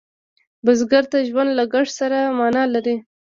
بزګر ته ژوند له کښت سره معنا لري